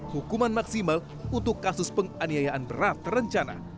hukuman maksimal untuk kasus penganiayaan berat terencana